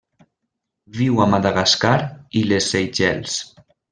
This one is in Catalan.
Viu a Madagascar i les Seychelles.